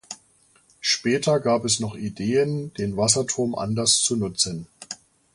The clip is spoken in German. Später gab es noch Ideen, den Wasserturm anders zu nutzen.